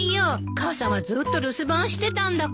母さんはずっと留守番してたんだから。